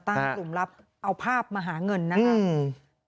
กลุ่มลับเอาภาพมาหาเงินนะครับ